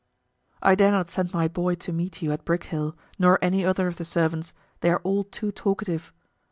I dare not send my boy to meet you at Brickhill nor any other of the servants, they are all too talkative.